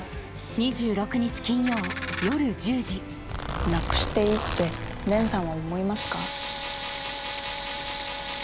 ２６日金曜夜１０時なくしていいって蓮さんは思いますか？